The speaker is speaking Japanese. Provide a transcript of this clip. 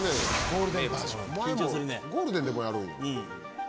ゴールデンでもやるんや。